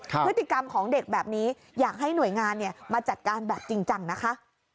พฤติกรรมของเด็กแบบนี้อยากให้หน่วยงานมาจัดการแบบจริงจังนะคะ